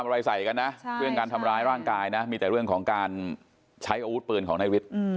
ป้าเพิ่งรู้จักเขาจะเรียกว่าเป็นพวกยังไง